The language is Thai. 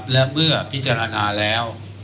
และเมื่อพิจารณาแล้ว